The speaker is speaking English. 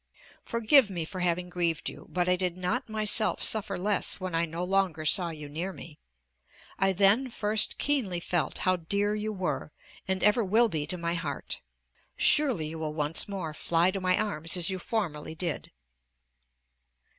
Forgive me for having grieved you, but I did not myself suffer less when I no longer saw you near me. I then first keenly felt how dear you were, and ever will be to my heart. Surely you will once more fly to my arms as you formerly did.